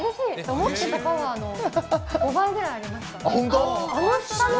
思っていたパワーの５倍ぐらいありました。